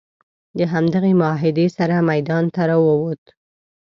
د همدغې معاهدې سره میدان ته راووت.